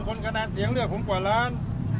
คนคณะเสี่ยงเรือกผมกว่าล้าน